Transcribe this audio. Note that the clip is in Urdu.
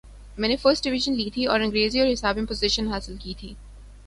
میں نے فرسٹ ڈویژن لی تھی اور انگریزی اور حساب میں پوزیشن حاصل کی تھی۔